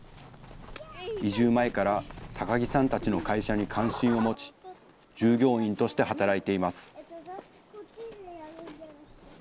移住前から、高木さんたちの会社に関心を持ち、従業員として働いています。